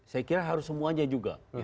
saya kira harus semuanya juga